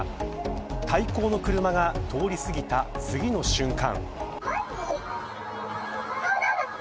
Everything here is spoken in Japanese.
対向の車が通り過ぎた次の瞬間。